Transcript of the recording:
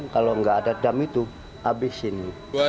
kalau nggak ada dam itu habis ini